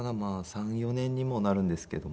３４年にもうなるんですけども。